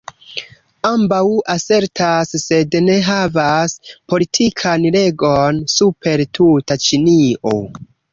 Ambaŭ asertas, sed ne havas, politikan regon super tuta Ĉinio.